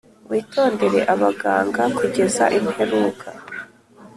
witondere abaganga kugeza imperuka